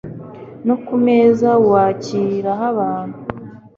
no ku meza wakiriraho abantu,